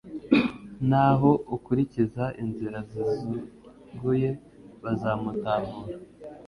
naho ukurikiza inzira ziziguye bazamutahura